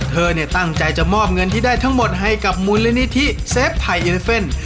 เธอเนี่ยตั้งใจจะมอบเงินที่ได้ทั้งหมดให้กับมูลนิธิเซฟไทยเอลิเฟน